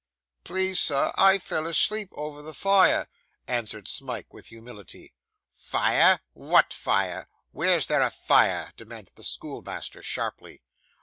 'Please, sir, I fell asleep over the fire,' answered Smike, with humility. 'Fire! what fire? Where's there a fire?' demanded the schoolmaster, sharply.